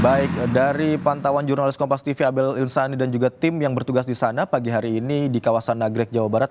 baik dari pantauan jurnalis kompas tv abel irsani dan juga tim yang bertugas di sana pagi hari ini di kawasan nagrek jawa barat